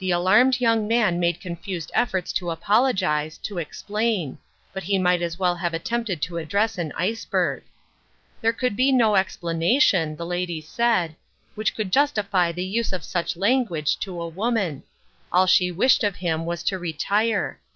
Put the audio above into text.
The alarmed young man made confused efforts to apologize, to explain ; but he might as well have attempted to address an iceberg. There could be no explanation, the lady said, which could justify the use of such language to a woman ; all she wished of him was to retire.